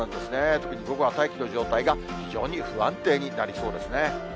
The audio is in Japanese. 特に午後は大気の状態が非常に不安定になりそうですね。